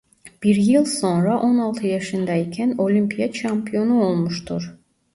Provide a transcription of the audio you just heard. Bir yıl sonra on altı yaşında iken Olimpiyat şampiyonu olmuştur.